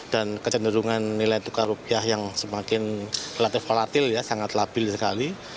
dan kecenderungan nilai tukar rupiah yang semakin relatif volatil ya sangat labil sekali